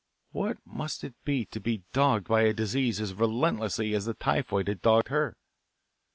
What must it be to be dogged by a disease as relentlessly as the typhoid had dogged her?